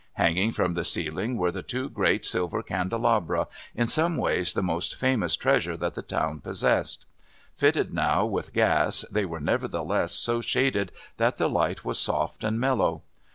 Hanging from the ceiling were the two great silver candelabra, in some ways the most famous treasure that the town possessed. Fitted now with gas, they were nevertheless so shaded that the light was soft and mellow.